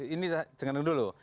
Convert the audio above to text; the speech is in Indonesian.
ini jangan dulu